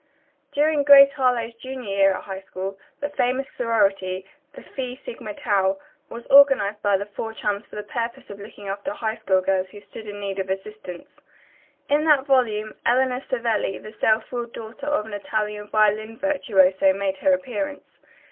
During "Grace Harlowe's Junior Year at High School" the famous sorority, the Phi Sigma Tau, was organized by the four chums for the purpose of looking after high school girls who stood in need of assistance. In that volume Eleanor Savelli, the self willed daughter of an Italian violin virtuoso, made her appearance.